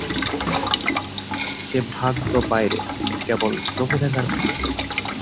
সে ভাগ তো বাইরে, কেবল চোখে দেখার ভাগ।